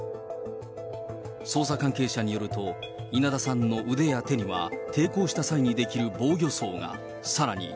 捜査関係者によると、稲田さんの腕や手には、抵抗した際に出来る防御創が。